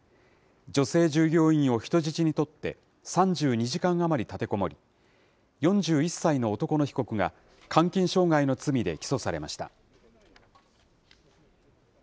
女性従業員を人質に取って、３２時間余り立てこもり、４１歳の男の被告が監禁傷害の罪で起訴されました。